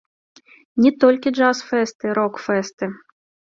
Не толькі джаз-фэсты, рок-фэсты!